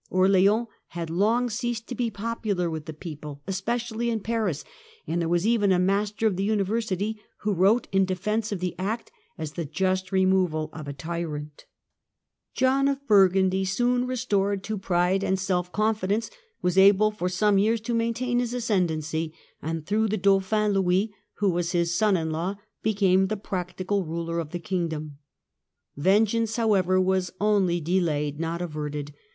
Orleans had long ceased to be popular with the people, especially in Paris, and there was even a Master of the University who wrote in defence of the act, as the just removal of a tyrant. Burgun John of Burgundy, soon restored to pride and self dians and ^ y i i i x • j. ■ i • Armagnacs Confidence, was able tor some years to mamtam his ascendency, and through the Dauphin Louis, who was his son in law, became the practical ruler of the Kingdom. Vengeance, however, was only delayed, not averted.